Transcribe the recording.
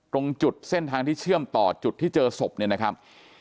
ตรงจุดเส้นทางที่เชื่อมต่อจุดที่เจอศพเนี่ยนะครับ